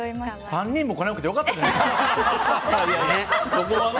３人も来なくてよかったんじゃないですか？